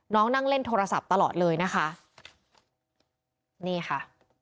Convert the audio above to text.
นั่งเล่นโทรศัพท์ตลอดเลยนะคะนี่ค่ะ